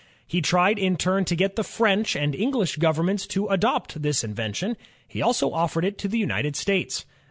He tried in turn to get the French and English govern ments to adopt this invention; he also offered it to the United States.